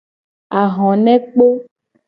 Ahonekpo.